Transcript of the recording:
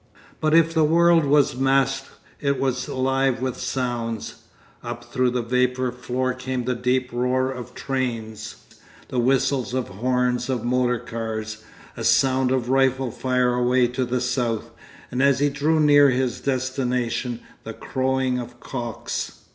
But if the world was masked it was alive with sounds. Up through that vapour floor came the deep roar of trains, the whistles of horns of motor cars, a sound of rifle fire away to the south, and as he drew near his destination the crowing of cocks....